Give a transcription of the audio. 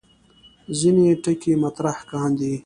ځینې ټکي مطرح کاندي.